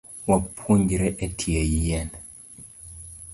Wapuonjre etie yien